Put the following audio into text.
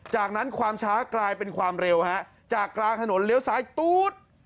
จากนั้นความช้ากลายเป็นความเร็วฮะจากกลางถนนเลี้ยวซ้ายตู๊ด